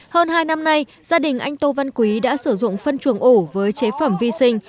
hơn hai năm nay gia đình anh tô văn quý đã sử dụng phân chuồng ổ với chế phẩm vi sinh